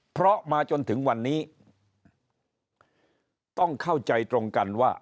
เพราะมาจนถึงวันนี้ต้องเข้าใจตรงกันว่า